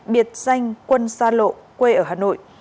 biệt danh quân sa lộ quê ở hà nội